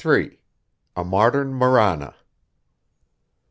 A MODERN MARANA.